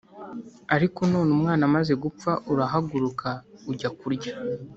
ariko none umwana amaze gupfa urahaguruka ujya kurya.